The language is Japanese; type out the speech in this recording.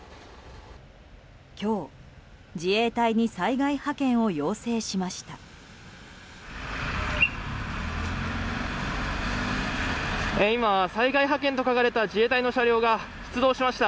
今日、自衛隊に災害派遣を要請しました。